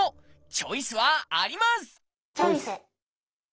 チョイス！